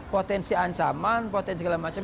potensi ancaman potensi segala macam